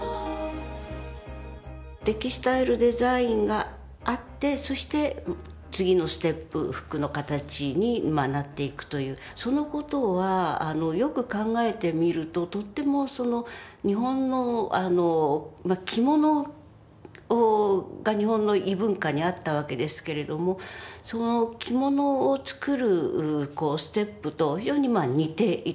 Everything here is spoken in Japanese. テキスタイルデザインがあってそして次のステップ服の形になっていくというそのことはよく考えてみるととっても日本の着物が日本の衣文化にあったわけですけれども着物を作るステップと非常に似ていたわけですね。